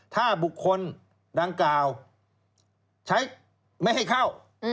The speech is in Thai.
ถ้าบุคคลดังกล่าวใช้ไม่ให้เข้า